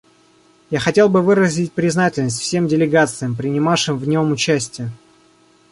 Я хотел бы выразить признательность всем делегациям, принимавшим в нем участие.